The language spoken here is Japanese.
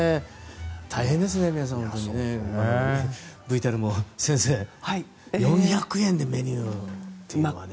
大変ですね、皆さん本当にね。ＶＴＲも先生、４００円でメニューというのがね。